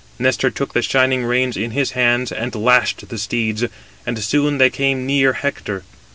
Nestor took the shining reins in his hands, and lashed the steeds, and soon they came near Hector.